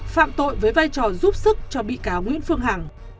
phạm tội với vai trò giúp sức cho bị cáo nguyễn phương hằng